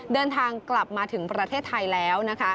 เดินทางกลับมาถึงประเทศไทยแล้วนะคะ